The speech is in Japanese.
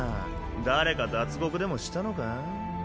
誰か脱獄でもしたのか？